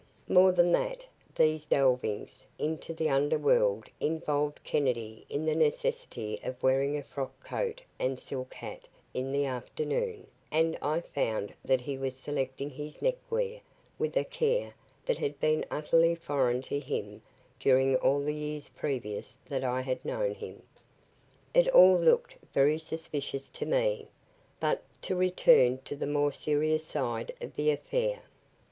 More than that, these delvings into the underworld involved Kennedy in the necessity of wearing a frock coat and silk hat in the afternoon, and I found that he was selecting his neckwear with a care that had been utterly foreign to him during all the years previous that I had known him. It all looked very suspicious to me. But, to return to the more serious side of the affair.